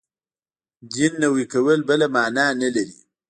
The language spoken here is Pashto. دین نوی کول بله معنا نه لري.